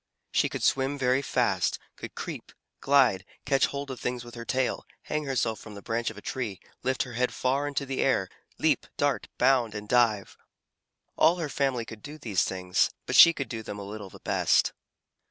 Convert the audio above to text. She could swim very fast, could creep, glide, catch hold of things with her tail, hang herself from the branch of a tree, lift her head far into the air, leap, dart, bound, and dive. All her family could do these things, but she could do them a little the best.